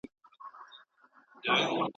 دا محتسب دی د مُغان خبره کله مني